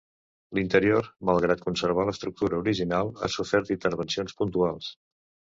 L'interior, malgrat conservar l'estructura original, ha sofert intervencions puntuals.